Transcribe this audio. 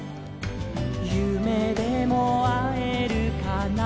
「ゆめでもあえるかな」